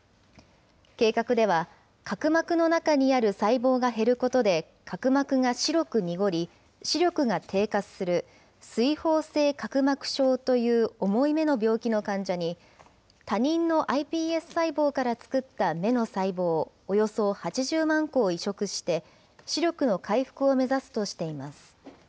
計画では、角膜の中にある細胞が減ることで、角膜が白く濁り、視力が低下する、水ほう性角膜症という重い目の病気の患者に、他人のｉＰＳ細胞から作った目の細胞およそ８０万個を移植して、視力の回復を目指すとしています。